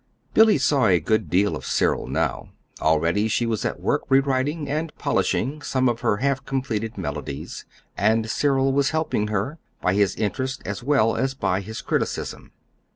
Billy saw a good deal of Cyril now. Already she was at work rewriting and polishing some of her half completed melodies, and Cyril was helping her, by his interest as well as by his criticism.